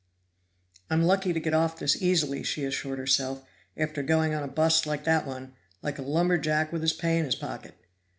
"I'm lucky to get off this easily," she assured herself, "after going on a bust like that one, like a lumberjack with his pay in his pocket."